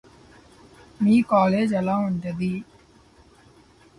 కష్టసాధ్యమైన కార్యమ్ము నెరవేర్ప